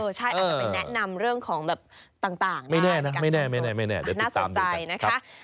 ใช่อาจจะไปแนะนำเรื่องของแบบต่างหน้าในการสืบศาสตร์น่าสนใจนะคะ